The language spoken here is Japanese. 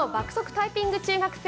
タイピング中学生